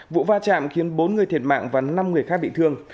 vụ va chạm khiến bốn người thiệt mạng và năm người khác bị thương